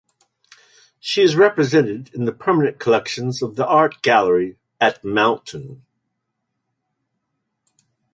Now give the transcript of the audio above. She is represented in the permanent collections of the Art Gallery at Mt.